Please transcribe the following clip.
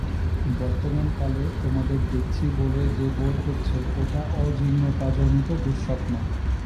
বর্তমান কালে তোমাদের দেখছি বলে যে বোধ হচ্ছে, ওটা অজীর্ণতাজনিত দুঃস্বপ্ন।